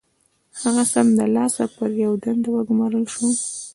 هغه سم له لاسه پر يوه دنده وګومارل شو.